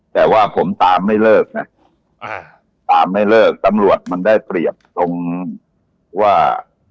แต่ว่าผมตามไม่เลิกนะตามไม่เลิกตำรวจมันได้เปรียบตรงว่า